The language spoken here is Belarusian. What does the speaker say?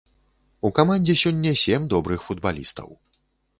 У камандзе сёння сем добрых футбалістаў.